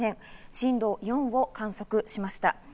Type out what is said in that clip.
震度４を観測しました。